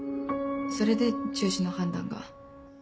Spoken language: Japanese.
それで中止の判断が。